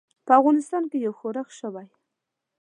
په افغانستان کې یو ښورښ شوی.